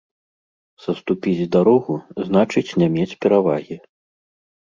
Саступіць дарогу, значыць не мець перавагі